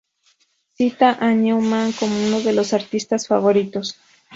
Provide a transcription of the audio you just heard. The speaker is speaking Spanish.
Cita a Newman como uno de sus artistas favoritos.